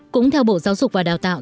cũng theo bộ giáo dục và đào tạo